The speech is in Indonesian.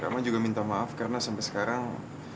mama juga minta maaf karena sampai sekarang